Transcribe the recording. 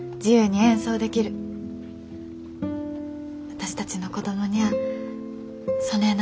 私たちの子供にゃあそねえな